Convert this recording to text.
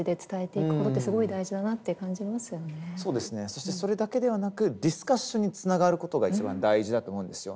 そしてそれだけではなくディスカッションにつながることが一番大事だと思うんですよ。